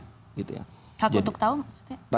hak untuk tahu maksudnya